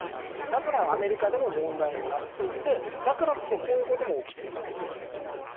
だからアメリカでも問題になっていてだからこそ、こういうことも起きているんです。